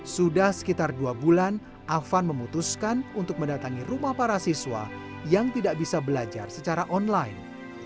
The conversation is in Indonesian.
sudah sekitar dua bulan afan memutuskan untuk mendatangi rumah para siswa yang tidak bisa belajar secara online